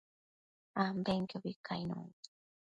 ambenquiobi cainombi